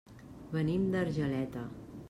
Venim d'Argeleta.